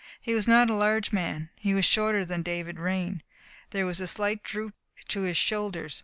He was not a large man. He was shorter than David Raine. There was a slight droop to his shoulders.